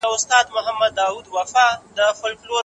ایا افغان سوداګر چارمغز پلوري؟